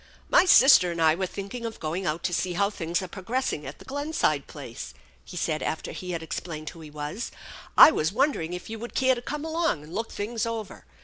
" My sister and I were thinking of going out to see how things are progressing at the Glenside place," he said after he had explained who he was. " I was wondering if you would care to come along and look things over.